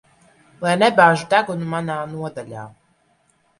Lai nebāž degunu manā nodaļā.